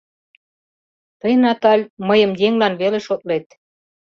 Тый, Наталь, мыйым еҥлан веле шотлет.